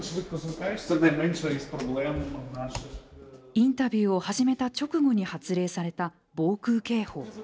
インタビューを始めた直後に発令された防空警報。